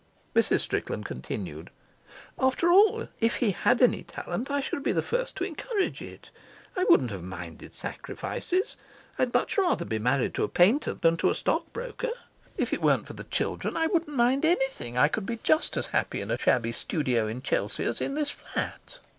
Mrs. Strickland continued: "After all, if he had any talent I should be the first to encourage it. I wouldn't have minded sacrifices. I'd much rather be married to a painter than to a stockbroker. If it weren't for the children, I wouldn't mind anything. I could be just as happy in a shabby studio in Chelsea as in this flat."